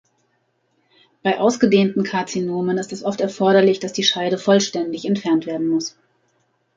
Bei ausgedehnten Karzinomen ist es oft erforderlich, dass die Scheide vollständig entfernt werden muss.